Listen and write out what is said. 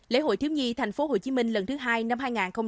lễ hội thiếu nhi thành phố hồ chí minh lần thứ hai năm hai nghìn hai mươi bốn